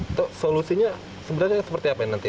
itu solusinya sebenarnya seperti apa ini nanti